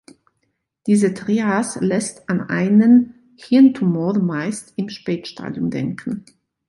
Diese Trias lässt an einen Hirntumor meist im Spätstadium denken.